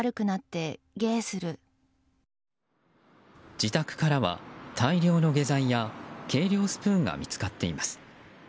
自宅からは大量の下剤や計量スプーンが見つかっています。